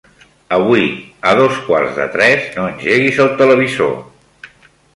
Avui a dos quarts de tres no engeguis el televisor.